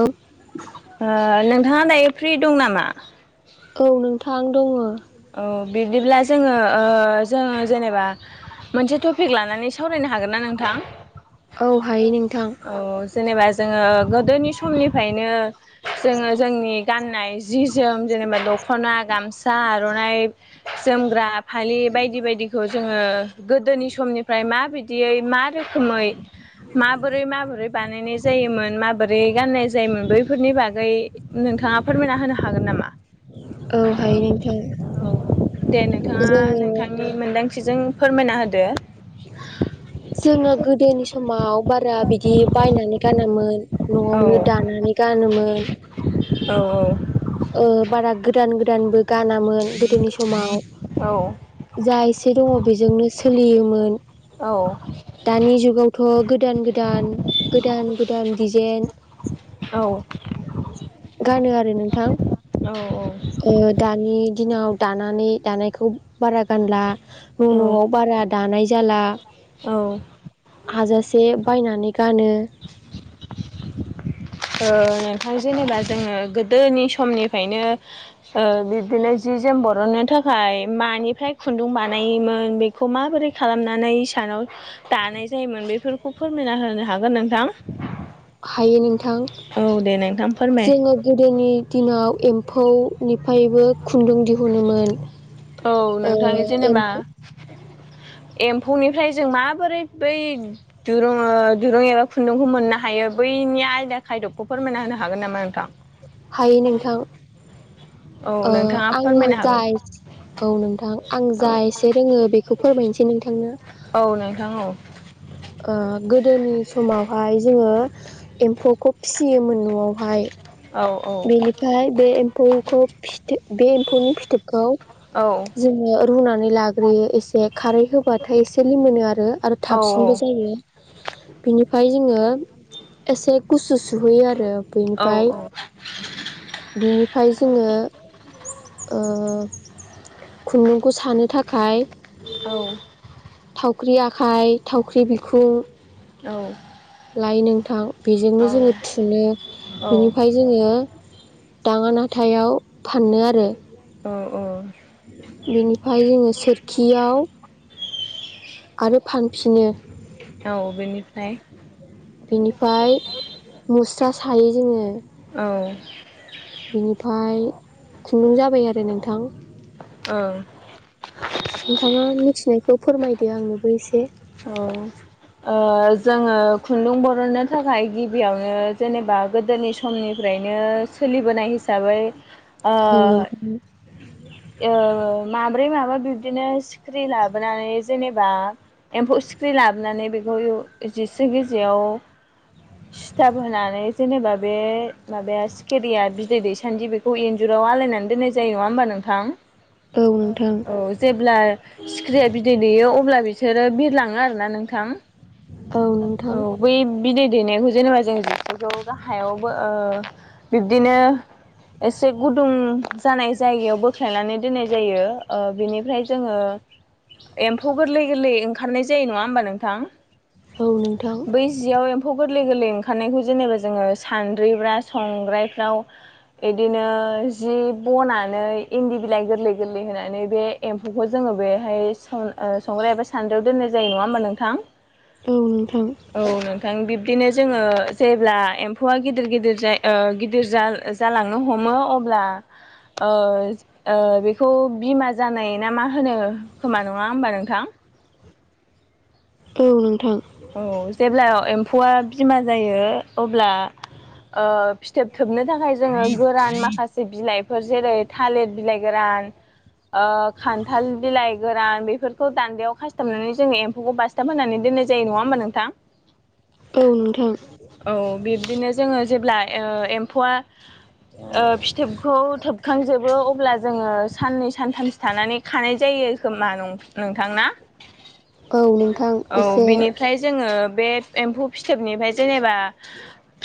औ नोंथाङा दायो फ्रि दं नामा? औ नोंथां दङो। औ बिबदिब्ला जोङो ओ जोङो जेनेबा मोनसे टपिक लानानै सावरायनो हागोन ना नोंथां? औ हायो नोंथां औ जेनेबा जोङो गोदोनि समनिफायनो जोङो जोंनि गाननाय जि जोम जेनेबा दख'ना गामसा आर'नाइ जोमग्रा फालि बायदि बायदि। खौ जोङो गोदोनि समनिफ्राय माबायदियै मा रोखोमै माबोरै माबोरै बानायनाय जायोमोन माबोरै गाननाय जायोमोन बैफोरनि बागै नोंथाङा फोरमायना होनो हागोन नामा? औ [unintelligible] औ दे नोंथाङा जोङो नोंथांनि मोनदांथिजों फोरमायना होदो। जोङो गोदोनि समाव बारा बिदि बायनानै गानामोन। न'आवनो दानानै गानोमोन। औ औ। ओ बारा गोदान गोदानबो गानामोन गोदोनि समाव औ जा एसे दङ बेजोंनो सोलियोमोन। औ। दानि जुगावथ' गोदान गोदान गोदान गोदान डिजाइन औ। गानो आरो नोंथां। औ औ। दानि दिनाव दानानै दानायखौ बारा गानला न' औ न'आव बारा दानाय जाला। औ ओ हाजासे बायनानै गानो। नोंथां जेनेबा जोङो गोदोनि समनिफायनो बिबदिनो जि जोम बरननो थाखाय मानिफ्राय खुन्दुं बानायोमोन बे खौ माबोरै खालामनानै इसानाव दानाय जायोमोन बेफोरखौ फोरमायना होनो हागोन नोंथां। हायो नोंथां औ दे नोंथां फोरमाय जोङो गोदोनि दिनाव एम्फौनिफायबो खुन्दुं दिहुनोमोन। औ ओ नोंथां जेनेबा एम्फौ एम्फौनिफ्राय जों माबोरै बै दुरुंओ दुरुं एबा खुन्दुंखौ मोननो हायो बैनि आयदा खायदबखौ फोरमायना होनो हागोन नामा नोंथां। हायो नोंथां। औ ओ, नोंथाङा आंङो फोरमायनो हागोन जाय औव नोंथां। आं औ जा एसे रोंङो बेखौ फोरमायनोसै नोंथांनो। औव, नोंथां औव। ओ, गोदोनि समावहाय जोंङो एम्फौखौ फिसियोमोन न'आवहाय। औ, औ। बेनिफ्राय बे एम्फौखौ फिथ बे एम्फौनि फिथोबखौ औ। ओ रुनानै लाग्रोयो एसे, खारै होबाथाय एसे लिमिनो आरो औ थाबसि [unintelligible] बिनिफ्राय जोङो एसे गुसु सुहोयो आरो। औ बेनिफ्राय बिनिफ्राय जोङो [inaudible] ओ खुन्दुंखौ सानो थाखाय औ। थावख्रि आखाय, थावख्रि बिखुं औ। लायो नोंथां। बेजोंनो जोंङो थुनो, बिनिफ्राय जोङो दाङानाथायाव फानो आरो। ओ औ। बिनिफ्राय जोङो सोरखियाव आरो फानफिनो। औ। बेनिफ्राय बिनिफ्राय मुस्रा सायो जोङो। औ। बिनिफ्राय खुन्दुं जाबाय आरो नोंथां। ओं [inaudible] नोंथाङा मिथिनायखौ फोरमायदो आंनोबो एसे। औ। ओ जोङो खुन्दुं बर'नो थाखाय गिबियावनो जेनेबा, गोदोनि सम समनिफ्रायनो सोलिबोनाय हिसाबै, ओ औ नोंथां ओ, माब्रै माबा बिब्दिनो सिख्रि लाबोनानै जेनेबा एम्फौ सिख्रि लाबोनानै बेखौ जिस्रि गिजियाव सि सिथाब होनानै जेनेबा बे माबाया सिखिरिया बिदै दैसानदि बेखौ इन्जुराव आलायनानै दोननाय जायो, नङा होमबा नोंथां? औ नोंथां औ, जेब्ला सिख्रिया बिदै दैयो अब्ला बिसोर आरो बिरलाङो आरो ना नोंथां। औ नोंथां। बै बिदै दैनायखौ जेनेबा जों बिफोरखौ गाहायावबो ओ बिब्दिनो एसे गुदुं जानाय जायगायाव बोख्लायनानै दोननाय जायो। ओ बेनिफ्राय जोङो एम्फौ गोरलै गोरलै ओंखारनाय जायो नङा होमबा नोंथां? औ नोंथां। बे जियाव एम्फौ गोरलै गोरलै ओंखारनायखौ जेनेबा जोंङो सानद्रि बा संग्रायफ्राव इदिनो जि बनानै इन्दि बिलाइ गोरलै गोरलै होनानै बे एम्फौखौ जोंङो बेहाय सं-संग्राय एबा सान्द्रियाव दोननाय जायो नङा होमबा नोंथा? औ नोंथां। औ, नोंथां। बिब्दिनो जोङो जेब्ला एम्फौआ गिदिर गिदिर जाय गिदिर जा जालांनो हमो, अब्ला ओ ओ बेखौ बिमा जानाय ना मा होनो खोमा नङा होमबा नोंथां? औ, नोंथां। औ, जेब्ला एम्फौआ बिमा जायो अब्ला ओ फिथोब थोबनो थाखाय जोङो गोरान माखासे बिलाइफोर जेरै थालिर बिलाइ गोरान ओ खान्थाल बिलाइ गोरान बेफोरखौ दान्दायाव खासथाबनानै जोङो एम्फौखौ बासथाब होनानै दोननाय जायो नङा होमबा नोंथां? औ नोंथां। औ बिब्दिनो जोङो जेब्ला ओ एम्फौआ ओ फिथोबखौ थोबखांजोबो अब्ला जोङो साननै सानथामसो थानानै खानाय जायो खोमा नं-नोंथांना? औ नोंथां औ एसे बिनिफ्राय जोंङो बे एम्फौ फिथोबनिफ्राय जेनेबा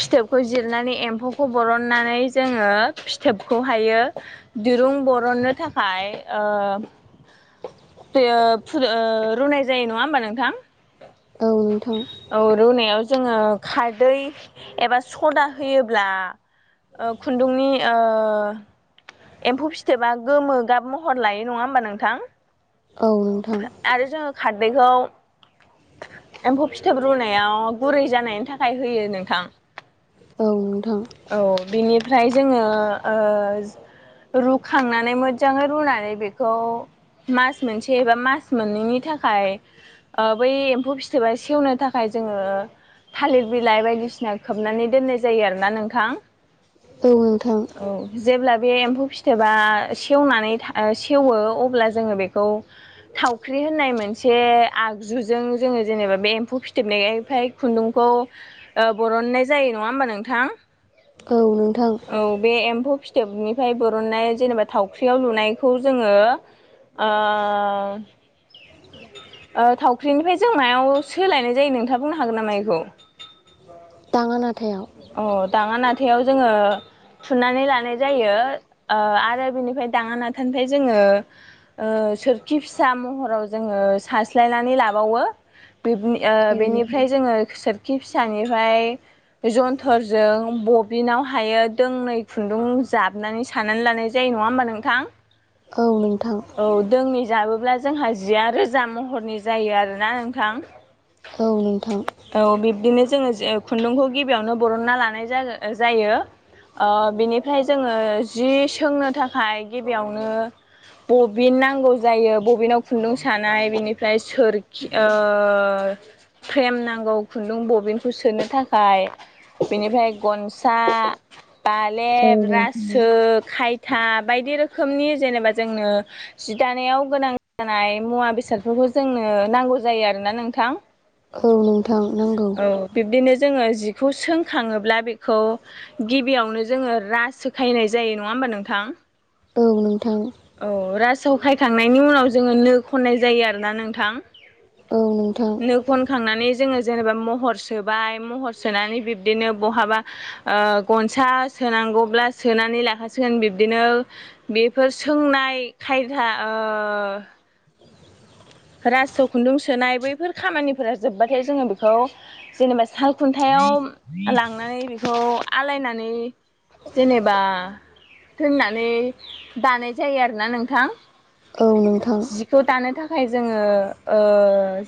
फिथोबखौ जिरनानै एम्फौखौ बरननानै जोंङो फिथोबखौ हायो दिरुं बरननो थाखाय ओ बेयो फुदुं ओ रुनाय जायो नङा होमबा नोंथां। औ नोंथां। औ रुनायाव जोंङो खारदै एबा सदा होयोब्ला खुन्दुंनि ओ एम्फौ फिथोबा गोमो गाब महर लायो नङा होमबा नोंथां? औ नोंथां। आरो जोङो खारदैखौ एम्फौ फिथोब रुनायाव गुरै जानायनि थाखाय होयो नोंथां। औ नोंथां। औ बिनिफ्राय जोंङो ओ रुखांनानै मोजाङै रुनानै बेखौ मास मोनसे एबा मास मोननैनि थाखाय ओ बै एबा सेवनो थाखाय जोंङो थालिर बिलाइ बायदिसिना खोबनानै दोननाय जायो आरो‌ना नोंथां। औ नोंथां। औ जेब्ला बे एम्फौ फिथोबा सेवनानै सेवो अब्ला जोंङो बेखौ थावख्रि होननाय मोनसे आगजुजों जोङो जेनेबा बे एम्फौ फिथोबनायफ्राय खुन्दुंखौ ओ बरननाय जायो नङा होमबा नोंथां। औ नोंथां। औ बे एम्फौ फिथोबनिफ्राय बरननाय जेनेबा थावख्रियाव लुनायखौ जोंङो। ओ ओ थावख्रिनिफ्राय जों मायाव सोलायनाय जायो नोंथाङा बुंनो हागोन नामा इखौ दाङा नाथायाव अ दाङा नाथायाव जोंङो थुननानै लानाय जायो ओ आरो बिनिफ्राय दांङा नाथानिफ्राय जोंङो। ओ सोरखि फिसा महराव जोंङो सास्लायनानै लाबावो ओ बेनिफ्राय जोंङो सोर खि फिसानिफ्राय जन्थरजों बबिनाव हायो दोंनै खुन्दुं जाबनानै साननानै लानाय जायो नंङा होमबा नोंथां। औ नोंथां। औ दोंनै जाबोब्ला जोंहा जिया रोजा महरनि जायो आरोना नोंथां। औ बिब्दिनो जोंङो जो खुन्दुंखौ गिबियावनो बरनना लानाय जा जायो। ओ बिनिफ्राय जोंङो जि सोंनो थाखाय गिबियावनो बबिन नांगौ जायो बबिनाव खुन्दुं सानाय बेनिफ्राय सोरखि ओ फ्रेम नांगौ खुन्दुं बबिनखौ सोनो थाखाय। बेनिफ्राय गनसा औ बालेब रासो नोंथां ओ खायथा बायदि रोखोमनि जेनेबा जोंनो जि दानायाव गोनां जानाय मुवा बेसादफोरखौ जोंनो नांगौ जायो आरोना नोंथां। औ नोंथां नांगौ औ बिब्दिनो जोङो जिखौ सोंखाङोब्ला बेखौ गिबियावनो जोङो रास सोखायनाय जायो नङा होमबा नोंथां। औ नोंथां। औ राजावखायखांनायनि उनाव जोङो नो खननाय जायो आरोना नोंथां। औ नोंथां। नो खनखांनानै जोङो जेनेबा महर सोबाय महर सोनानै बिब्दिनो बहाबा ओ गनसा सोनांगौब्ला सोनानै लाखासिगोन बिब्दिनो बेफोर सोंनाय खायदा ओ रासो खुन्दुं सोनाय बैफोर खामानिफोरा जोबबाथाय जोङो बेखौ जेनेबा साल खुन्थायाव लांनानै बेखौ आलायनानै जेनेबा दोननानै दानाय जायो आरोना नोंथां। औ नोंथां। ज' थानो थाखाय जोङो ओ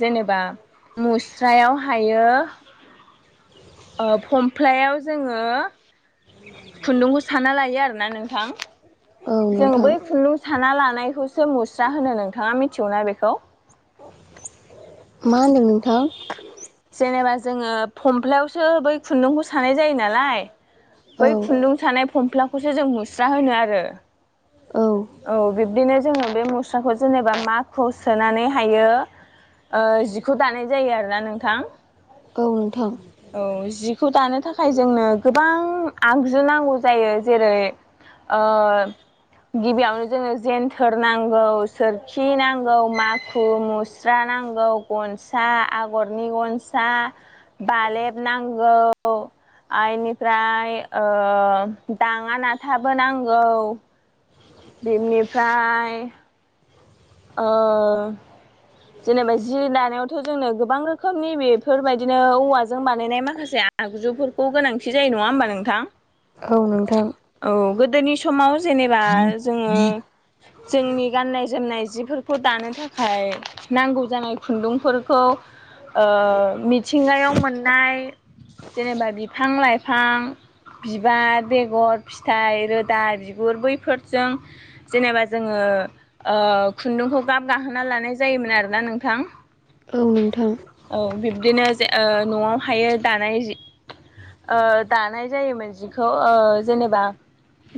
जेनेबा मुस्रायाव हायो ओ फमफ्लायाव जोङो खुन्दुंखौ साना लायो आरोना नोंथां। औ जों नोंथां बै खुन्दुं साना लानायखौसो मुस्रा होनो नोंथाङा मिथिगौना बेखौ मा होनदों नोंथां? जेनेबा जोङो फमफ्लायावसो बै खुन्दुंखौ सानाय जायो नालाय। औ बै खुन्दुं सानाय फमफ्ला खौसो जों मुस्रा होनो आरो। औ। औ बिब्दिनो जोङो बे मुस्राखौ जेनेबा माखुआव सोनानै हायो। ओ जिखौ दानाय जायो आरोना नोंथां‌। औ नोंथां। औ जिखौ दानो थाखाय जोंनो गोबां आगजु नांगौ जायो जेरै ओ गिबियावनो जोङो जेन्थोर नांगौ सोरखि नांगौ माखु मुस्रा नांगौ। गनसा आगरनि गनसा बालेब नांगौ। आरो निफ्राय ओ दाङा नाथाबो नांगौ। बिनिफ्राय ओ जेनेबा जि दानायावथ' जोंनो गोबां रोखोमनि बेफोर बायदिनो औवाजों बानायनाय माखासे आगजु फोरखौ गोनांथि जायो नङा होमबा नोंथां? औ नोंथां। औ गोदोनि समाव जेनेबा जोङो जोंनि गाननाय जोमनाय जिफोरखौ दानो थाखाय नांगौ जानाय खुन्दुंफोरखौ ओ मिथिंगायाव मोननाय जेनेबा बिफां लाइ फां बिबार बेगर फिथाइ रोदा बिगुर बैफोरजों जेनेबा जोङो ओ खुन्दुंखौ गाब गाहोना लानाय जायोमोन आरोना नोंथां। औ नोंथां। औ बिब्दिनो जे ओ न'आव हायो दानाय जि ओ दानाय जायोमोन जिखौ ओ जेनेबा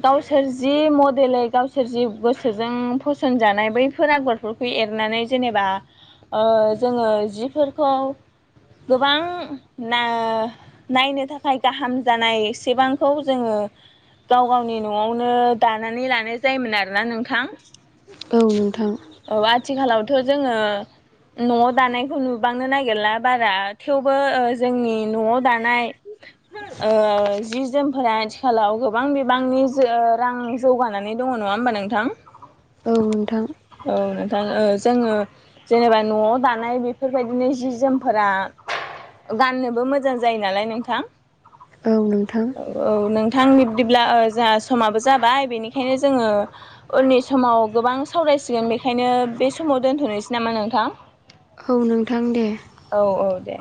गावसोर जि मडेलै गावसोर जि गोसोजों फसन जानाय बैफोर आगर फोरखौ एरनानै जेनेबा ओ जोङो जि फोरखौ गोबां ना नायनो थाखाय गाहाम जानाय सेबांखौ जोङो गाव गावनि न'आवनो दानानै लानाय जायोमोन आरोना नो औ नोंथां। औ आथिखालावथ' जोङो न'आव दानायखौ नुबांनो नागिरला बारा थेवबो ओ जोंनि न'आव दानाय ओ जि जोम फोरा आथिखालाव गोबां बिबांनि जो रां जौगानानै दङ नङा होमबा नोंथां? औ नोंथां। औ नोंथां ओ जोङो जेनेबा न'आव दानाय बे बेफोरबायदिनो जि जोमफोरा गाननोबो मोजां जायो नालाय नोंथां। औ नोंथां। औ नोंथां बिब्दिब्ला ओ जोंहा समाबो जाबाय बेनिखायनो जोङो उननि समाव गोबां सावरायसिगोन बेखायनो बे समाव दोन्थ'नोसै नामा नोंथां? औ नोंथां दे। औ औ दे।